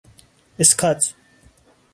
اسکاچ